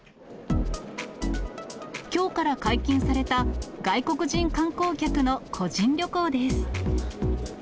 きょうから解禁された、外国人観光客の個人旅行です。